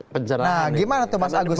pencerahan nah gimana tuh mas agus